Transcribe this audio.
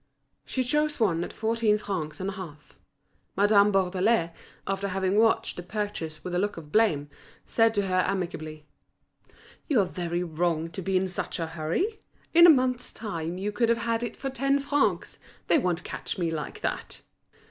She choose one at fourteen francs and a half. Madame Bourdelais, after having watched the purchase with a look of blame, said to her amicably: "You are very wrong to be in such a hurry. In a month's time you could have had it for ten francs. They won't catch me like that."